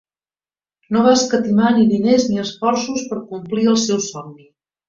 No va escatimar ni diners ni esforços per complir el seu somni.